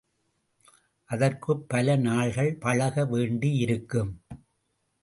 அதற்குப் பல நாள்கள் பழக வேண்டியிருக்கும்.